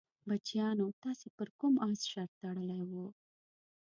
بچیانو تاسې پر کوم اس شرط تړلی وو؟